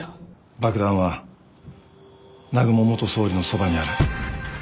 爆弾は南雲元総理のそばにある。